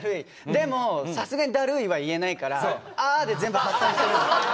でもさすがにダルいは言えないから「あ」で全部発散してる。